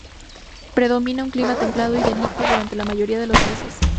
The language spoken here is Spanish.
Predomina un clima templado y benigno durante la mayoría de los meses.